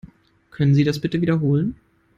Können Sie das bitte wiederholen?